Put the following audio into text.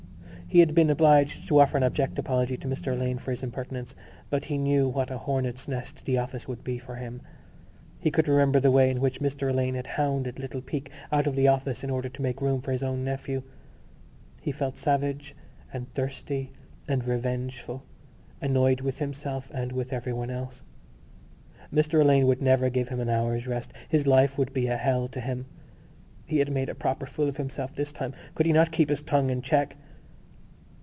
He had been obliged to offer an abject apology to Mr Alleyne for his impertinence but he knew what a hornet's nest the office would be for him. He could remember the way in which Mr Alleyne had hounded little Peake out of the office in order to make room for his own nephew. He felt savage and thirsty and revengeful, annoyed with himself and with everyone else. Mr Alleyne would never give him an hour's rest; his life would be a hell to him. He had made a proper fool of himself this time. Could he not keep his tongue in his cheek?